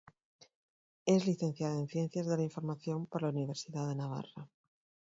Es licenciada en Ciencias de la Información por la Universidad de Navarra.